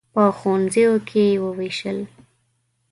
په ښوونځیو کې ووېشل.